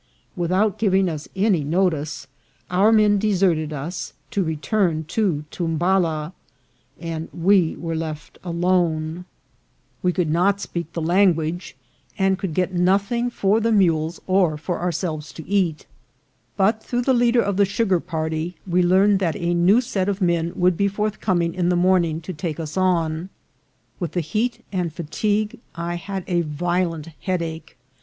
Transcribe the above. Without giving us any notice, our men deserted us to return to Tumbala, and we were left alone. We could 272 INCIDENTS OF TRAVEL. not speak the language, and could get nothing for the mules or for ourselves to eat ; but, through the leader of the sugar party, we learned that a new set of men would be forthcoming in the morning to take us on. With the heat and fatigue I had a violent headache.